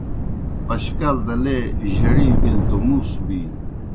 پشکال دہ لے جھڑی بِلیْ توْ مُوس بِینیْ۔